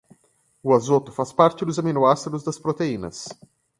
O azoto faz parte dos aminoácidos das proteínas.